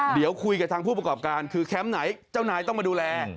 เดี๋ยวคุยกับทางผู้ประกอบการคือแคมป์ไหนเจ้านายต้องมาดูแล